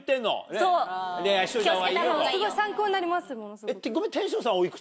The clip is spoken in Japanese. すごい参考になりますものすごく。